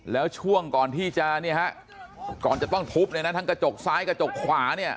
แล้วช่วงก่อนที่จะเนี่ยฮะก่อนจะต้องทุบเนี่ยนะทั้งกระจกซ้ายกระจกขวาเนี่ย